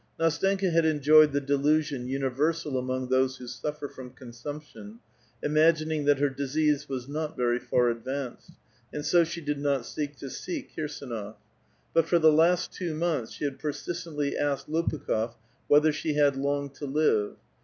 N&stenka had enjoyed the delusion universal among those who sufifer from consumption, imagining that her disease was not very far advanced, and so she did not seek to see Kirs&nof ; but for the last two months she had persistentl}' asked Lopukh6f whether she had long to live.